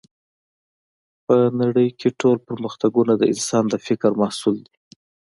په نړۍ کې ټول پرمختګونه د انسان د فکر محصول دی